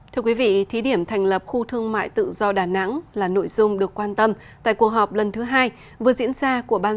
thưa quý vị thí điểm thành lập khu thương mại tự do đà nẵng là nội dung được quan tâm tại cuộc họp lần thứ hai vừa diễn ra của ban